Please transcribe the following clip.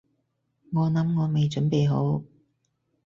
我諗我未準備好